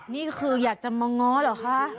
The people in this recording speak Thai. นี่คืออยากจะมาง้อเหรอคะ